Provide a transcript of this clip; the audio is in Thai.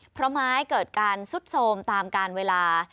เพราะไม้เกิดการซุดโทรมตามการเวลา